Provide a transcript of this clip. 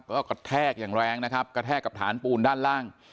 ก็กระแทกอย่างแรงนะครับกระแทกกับฐานปูนด้านล่าง